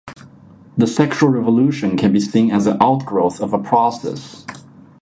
The sexual revolution can be seen as an outgrowth of a process.